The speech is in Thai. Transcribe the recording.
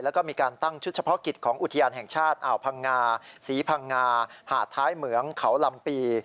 แล้วก็มีการตั้งชุดเฉพาะกิจของอุทยานแห่งชาติอ่าวพังงาศรีพังงาหาดท้ายเหมืองเขาลำปี